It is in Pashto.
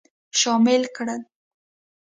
شامل کړل.